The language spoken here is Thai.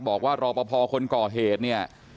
บอกว่ารอพอคนก่อเหตุเนี่ย